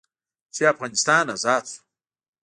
چې افغانستان ازاد سو.